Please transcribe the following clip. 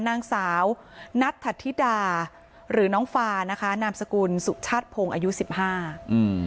นางสาวนัทธธิดาหรือน้องฟานะคะนามสกุลสุชาติพงศ์อายุสิบห้าอืม